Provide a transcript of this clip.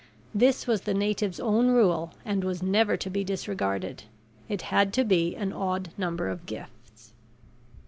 This was the natives' own rule and was never to be disregarded it had to be an odd number of gifts.